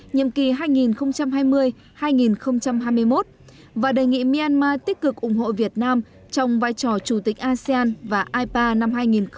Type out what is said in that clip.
nhiệm kỳ hai nghìn hai mươi hai nghìn hai mươi một và đề nghị myanmar tích cực ủng hộ việt nam trong vai trò chủ tịch asean và ipa năm hai nghìn hai mươi